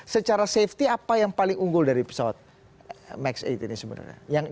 secara safety apa yang paling unggul dari pesawat max delapan ini sebenarnya